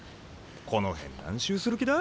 この辺何周する気だ？